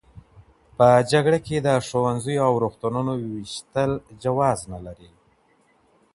په جګړه کي د ښوونځیو او روغتونونو ویشتل جواز نه لري.